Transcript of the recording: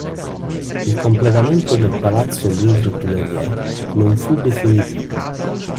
Il completamento del palazzo Louvre-Tuileries non fu definitivo.